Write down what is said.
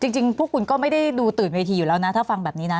จริงพวกคุณก็ไม่ได้ดูตื่นเวทีอยู่แล้วนะถ้าฟังแบบนี้นะ